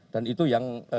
dan itu yang jelas